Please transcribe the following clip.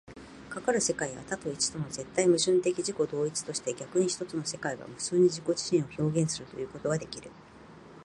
かかる世界は多と一との絶対矛盾的自己同一として、逆に一つの世界が無数に自己自身を表現するということができる。